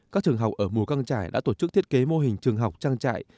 các trường học ở mù căng trải đã tổ chức thiết kế mô hình trường học trang trại